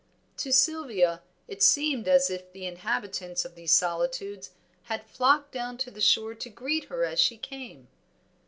To Sylvia it seemed as if the inhabitants of these solitudes had flocked down to the shore to greet her as she came.